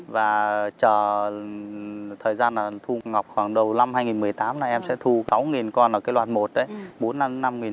và chờ thời gian thu ngọc khoảng đầu năm hai nghìn một mươi tám là em sẽ thu sáu con ở cái loạt một đấy